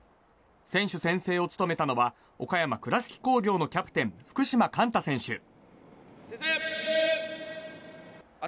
選手宣誓を務めたのは岡山倉敷工業のキャプテン福島貫太選手。